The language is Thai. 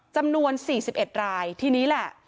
จำนวน๔๑รายทีนี้แหละ